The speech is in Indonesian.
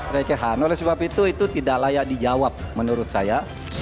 recehan oleh sebab itu itu tidak layak dijawab menurut saya